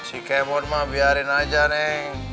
neng mohon mah biarin aja neng